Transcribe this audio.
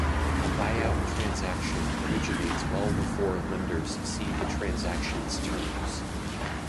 A buyout transaction originates well before lenders see the transaction's terms.